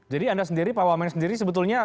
jadi anda sendiri pak wamena sendiri sebetulnya